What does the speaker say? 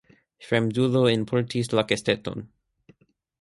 Fremdulo enportis la kesteton.